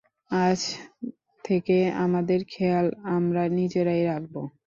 আজ থেকে আমাদের খেয়াল আমরা নিজেরাই রাখবো।